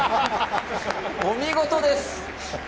お見事です。